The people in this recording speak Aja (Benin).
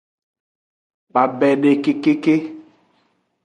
Babede kekeke.